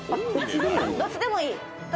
どっちでもいい。